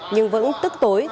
nhưng vẫn tức tối